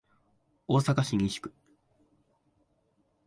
大阪市西区